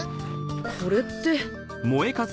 これって。